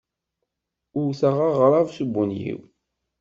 Wteɣ aɣrab s ubunyiw.